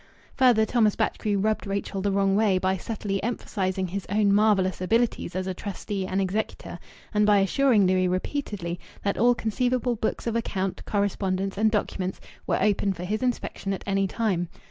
Further, Thomas Batchgrew "rubbed Rachel the wrong way" by subtly emphasizing his own marvellous abilities as a trustee and executor, and by assuring Louis repeatedly that all conceivable books of account, correspondence, and documents were open for his inspection at any time.